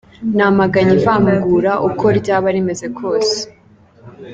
"Namaganye ivangura uko ryaba rimeze kose.